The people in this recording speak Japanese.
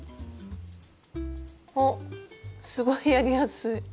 あっすごいやりやすい。